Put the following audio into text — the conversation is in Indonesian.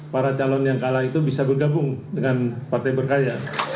para calon yang kalah itu bisa bergabung dengan partai berkarya